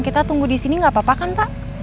kita tunggu disini gak apa apa kan pak